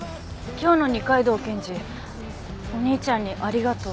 今日の二階堂検事お兄ちゃんに「ありがとう」って。